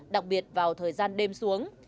đặc biệt vào thời gian đêm xuống